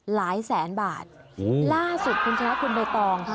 หลายแสนบาทล่าสุดคุณฉันและคุณใบตอง